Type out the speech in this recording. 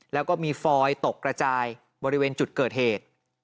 แล้วก็มีฟอยตกกระจายบริเวณจุดเกิดเหตุ